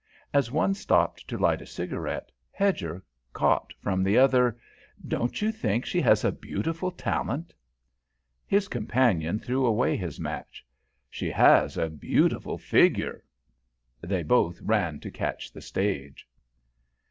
As one stopped to light a cigarette, Hedger caught from the other: "Don't you think she has a beautiful talent?" His companion threw away his match. "She has a beautiful figure." They both ran to catch the stage.